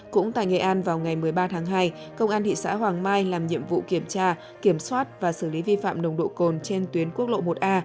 cũng tại nghệ an vào ngày một mươi ba tháng hai công an thị xã hoàng mai làm nhiệm vụ kiểm tra kiểm soát và xử lý vi phạm nồng độ cồn trên tuyến quốc lộ một a